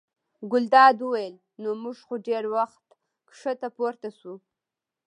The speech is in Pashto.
ګلداد وویل: نو موږ خو ډېر وخت ښکته پورته شوو.